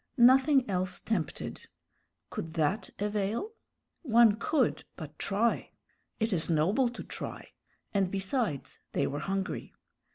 Nothing else tempted; could that avail? One could but try. It is noble to try; and besides, they were hungry.